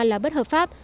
là bất hợp pháp